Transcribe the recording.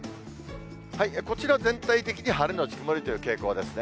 こちら、全体的に晴れ後曇りという傾向ですね。